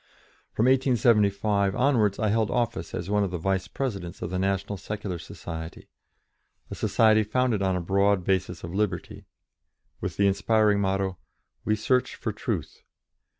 From 1875 onwards I held office as one of the vice presidents of the National Secular Society a society founded on a broad basis of liberty, with the inspiring motto, "We Search for Truth."